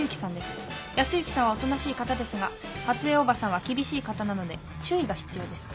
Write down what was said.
康行さんはおとなしい方ですが初枝伯母さんは厳しい方なので注意が必要です。